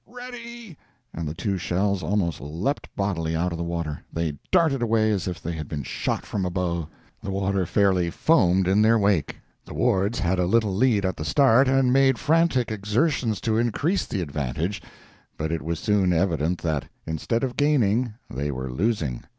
"Ready!" and the two shells almost leaped bodily out of the water. They darted away as if they had been shot from a bow. The water fairly foamed in their wake. The Wards had a little lead at the start, and made frantic exertions to increase the advantage but it was soon evident that, instead of gaining, they were losing.